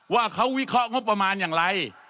ว่าเขาวิเคราะห์งบประมาณอย่างไร